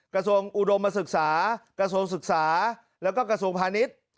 กระทรวงอุดมศึกษากระทรวงศึกษาแล้วก็กระทรวงพาณิชย์